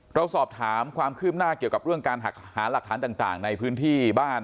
เราสอบถามความคืบหน้าเกี่ยวกับเรื่องการหาหลักฐานต่างในพื้นที่บ้าน